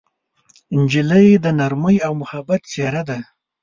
نجلۍ د نرمۍ او محبت څېره ده.